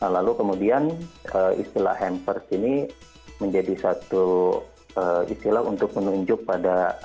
lalu kemudian istilah hampers ini menjadi satu istilah untuk menunjuk pada